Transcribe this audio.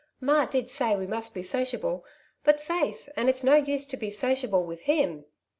^^ Ma did say we must be sociable ; but faith, and it's no use to be sociable with him."